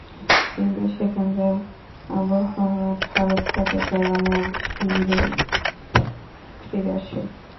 কিন্তু সেখানকার আবহাওয়া খারাপ থাকায় তারা মূল শিবিরে ফিরে আসেন।